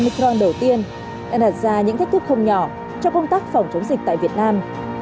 bigron đầu tiên đang đặt ra những thách thức không nhỏ cho công tác phòng chống dịch tại việt nam